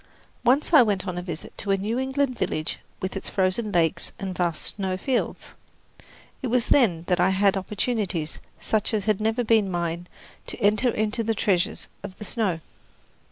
Once I went on a visit to a New England village with its frozen lakes and vast snow fields. It was then that I had opportunities such as had never been mine to enter into the treasures of the snow.